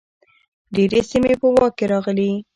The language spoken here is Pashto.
ډیرې سیمې په واک کې راغلې.